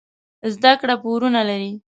زده کړې پورونه لري.